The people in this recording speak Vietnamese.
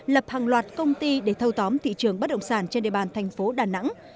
lập hàng loạt công ty để thâu tóm thị trường bất động sản trên địa bàn thành phố đà nẵng